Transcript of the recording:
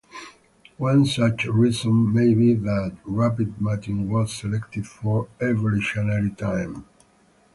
One such reason may be that rapid mating was selected for over evolutionary time.